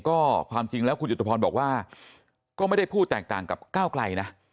ก็ความจริงแล้วคุณจิตพรบอกว่าก็ไม่ได้พูดแตกต่างกับก้าวไกลนะ